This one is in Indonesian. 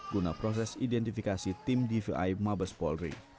guna proses identifikasi tim dvi mabes polri